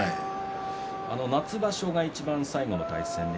夏場所がいちばん最後の対戦で